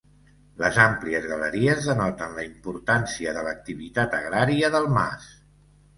Les àmplies galeries denoten la importància de l'activitat agrària del mas.